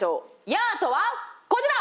ヤーとはこちら！